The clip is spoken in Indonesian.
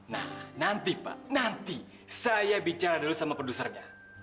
nah nanti pak nanti saya bicara dulu sama produsernya